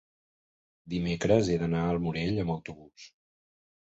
dimecres he d'anar al Morell amb autobús.